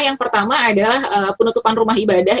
yang pertama adalah penutupan rumah ibadah